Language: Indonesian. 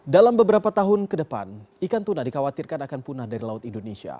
dalam beberapa tahun ke depan ikan tuna dikhawatirkan akan punah dari laut indonesia